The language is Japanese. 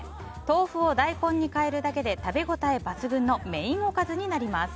豆腐を大根に代えるだけで食べ応え抜群のメインおかずになります。